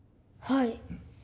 はい。